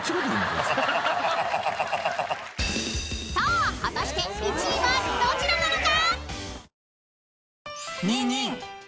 ［さあ果たして１位はどちらなのか！？］